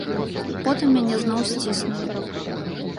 Потым мяне зноў сціснулі.